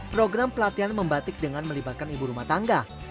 program pelatihan membatik dengan melibatkan ibu rumah tangga